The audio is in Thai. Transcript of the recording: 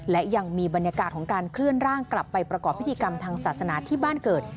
และยังมีบรรยากาศของการเคลื่อนร่างกลับไปประกอบพิธีกรรมทางศาสนาที่บ้านเกิด